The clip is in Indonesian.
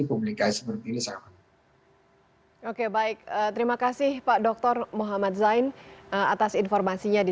publikasi seperti ini sangat baik terima kasih pak doktor muhammad zain atas informasinya di